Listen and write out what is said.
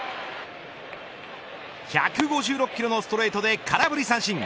１５６キロのストレートで空振り三振。